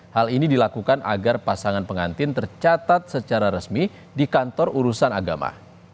hal ini dilakukan agar pasangan pengantin tercatat secara resmi di kantor urusan agama